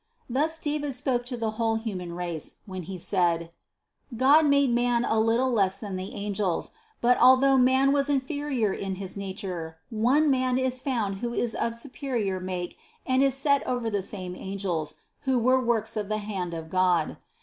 Thus David spoke to the whole human race, when he said: God made man a little less than the angels; but although man was in ferior in his nature, one Man is found who is of su perior make and is set over these same angels, who were works of the hand of God.